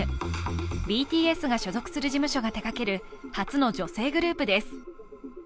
ＢＴＳが所属する事務所が手がける、初の女性グループです。